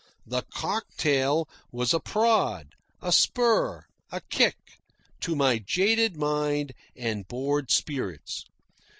The cocktail was a prod, a spur, a kick, to my jaded mind and bored spirits.